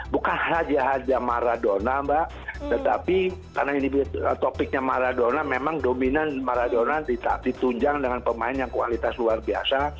bukan saja hanya maradona mbak tetapi karena ini topiknya maradona memang dominan maradona ditunjang dengan pemain yang kualitas luar biasa